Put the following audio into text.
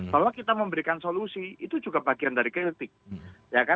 bahwa kita memberikan solusi itu juga bagian dari kritik